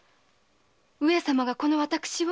上様がこの私を？